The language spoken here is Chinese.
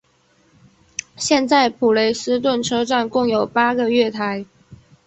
现在普雷斯顿车站共有八个月台。